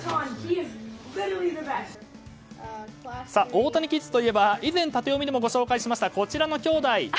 オオタニキッズといえば以前、タテヨミでもご紹介しましたこちらの兄弟。